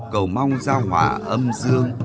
cầu mong gia hòa âm dương